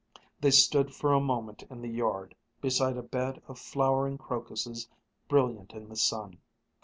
They stood for a moment in the yard, beside a bed of flowering crocuses, brilliant in the sun.